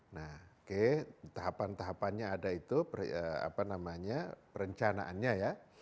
nah oke tahapan tahapannya ada itu apa namanya perencanaannya ya